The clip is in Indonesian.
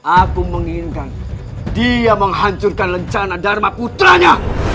aku menginginkan dia menghancurkan lencana dharma putranya